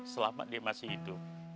selama dia masih hidup